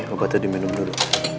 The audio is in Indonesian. obatnya diminum dulu